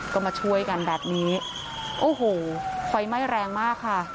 ก็มาช่วยกันแบบนี้โอ้โหไฟไหม้แรงมากค่ะ